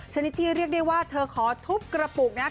ชนิดที่เรียกได้ว่าเธอขอทุบกระปุกนะครับ